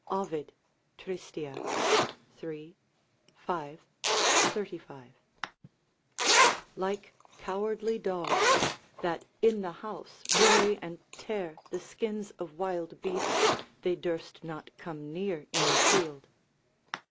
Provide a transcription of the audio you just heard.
Ovid, Trist., iii. 5, 35.] like cowardly dogs, that in the house worry and tear the skins of wild beasts, they durst not come near in the field.